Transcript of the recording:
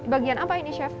bagian apa ini chef